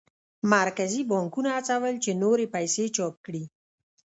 مرکزي بانکونه هڅول چې نورې پیسې چاپ کړي.